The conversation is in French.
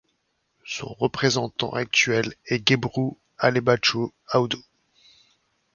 Son représentant actuel est Gebru Alebachew Awdew.